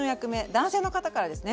男性の方からですね。